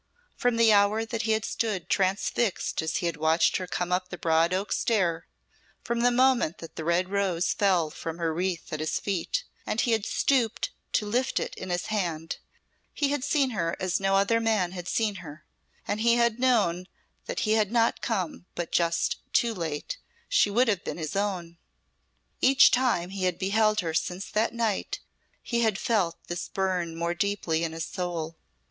From the hour that he had stood transfixed as he watched her come up the broad oak stair, from the moment that the red rose fell from her wreath at his feet, and he had stooped to lift it in his hand, he had seen her as no other man had seen her, and he had known that had he not come but just too late, she would have been his own. Each time he had beheld her since that night he had felt this burn more deeply in his soul.